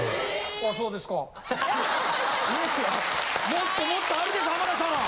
もっともっとあるでしょ浜田さん。